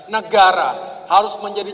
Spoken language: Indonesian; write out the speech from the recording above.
negara harus menjadi